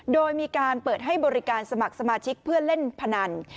โดยมีการเปิดให้บริการสมัครสมาชิกเพื่อเล่นพนัน